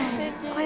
これ。